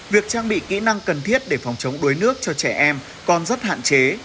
việc trang bị kỹ năng cần thiết để phòng chống đuối nước cho trẻ em còn rất hạn chế